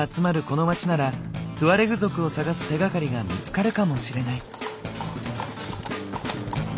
この街ならトゥアレグ族を探す手がかりが見つかるかもしれない。